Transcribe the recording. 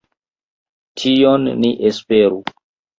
Tion ni esperu.